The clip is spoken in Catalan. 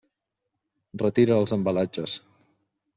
Retira els embalatges.